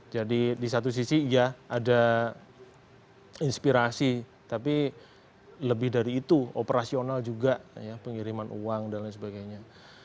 jadi di satu sisi ya ada inspirasi tapi lebih dari itu operasional juga pengiriman uang dan lain sebagainya